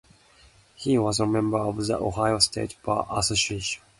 He was a member of the Ohio State Bar Association.